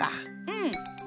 うん。